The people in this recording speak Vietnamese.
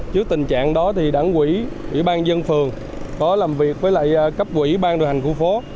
trước tình trạng đó thì đảng ủy ủy ban dân phường có làm việc với lại cấp ủy ban đồ hành khu phố